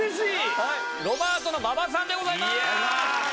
ロバートの馬場さんでございます。